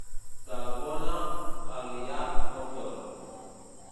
Telefona a l'Iyad Montoro.